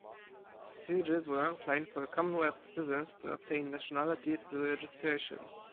Procedures were outlined for Commonwealth citizens to obtain nationality through registration.